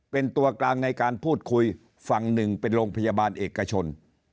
เป็นตัวกลางในการพูดคุยฝั่งหนึ่งเป็นโรงพยาบาลเอกชน